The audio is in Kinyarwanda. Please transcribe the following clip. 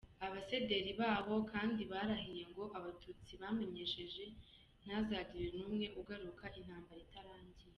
Abasederi baho kandi bararahiye ngo Abatutsi bamenesheje ntihazagire n’umwe ugaruka intambara itarangiye.